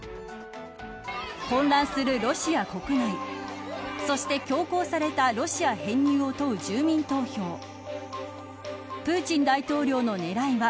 混乱するロシア国内そして、強行されたロシア編入を問う住民投票プーチン大統領の狙いは。